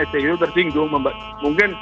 sti itu tersinggung mungkin